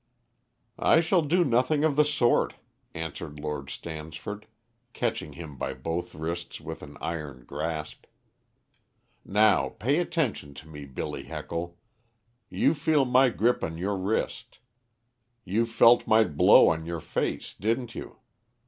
"I shall do nothing of the sort," answered Lord Stansford, catching him by both wrists with an iron grasp. "Now pay attention to me, Billy Heckle: you feel my grip on your wrist; you felt my blow in your face, didn't you?